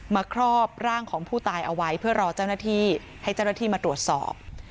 ครอบร่างของผู้ตายเอาไว้เพื่อรอเจ้าหน้าที่ให้เจ้าหน้าที่มาตรวจสอบ